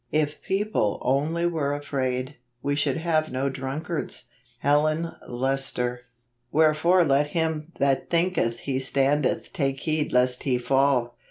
If people only were afraid, we should have no drunkards. Helen Lester. " Wherefore let him that thinketh he standeth take heed lest he fall